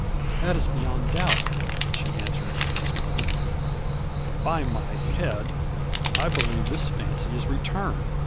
"That is beyond doubt," she answered, and smiled. "By my head, I believe his fancy is returned!"